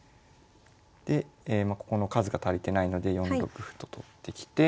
でここの数が足りてないので４六歩と取ってきて。